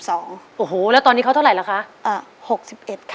โอ้โหแล้วตอนนี้เขาเท่าไหร่ล่ะคะ๖๑ค่ะ